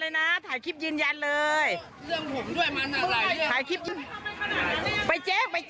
เร็วโทรแจงเลยสิโทรแจงเลยสิ